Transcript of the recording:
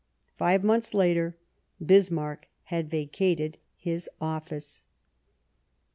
Five months later Bismarck had vacated his office.